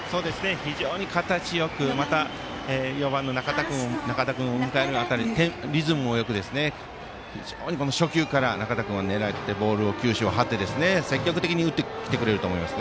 非常に形よくまた４番の仲田君を迎えるにあたってリズムもよく、非常に初球から仲田君は狙って、積極的に打ってきてくれると思います。